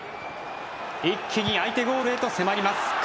一気に相手ゴールへと迫ります。